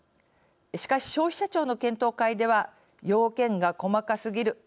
しかし、消費者庁の検討会では要件が細かすぎる。